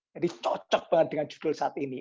jadi cocok banget dengan judul saat ini